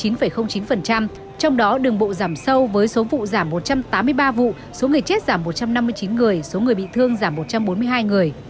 trong đó đường bộ giảm sâu với số vụ giảm một trăm tám mươi ba vụ số người chết giảm một trăm năm mươi chín người số người bị thương giảm một trăm bốn mươi hai người